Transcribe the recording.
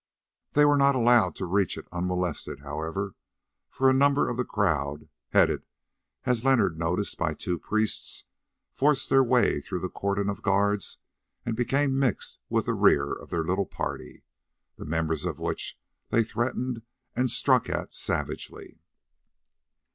They were not allowed to reach it unmolested, however, for a number of the crowd, headed, as Leonard noticed, by two priests, forced their way through the cordon of guards and became mixed with the rear of their little party, the members of which they threatened and struck at savagely.